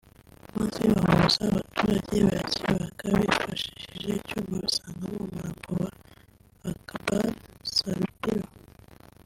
maze bahuruza abaturage barakibaga bifashishije icyuma basangamo umurambo wa Akbar Salubiro